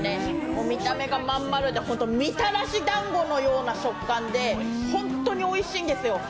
もう見た目が真ん丸でみたらしだんごのような食感で本当においしいんですよ。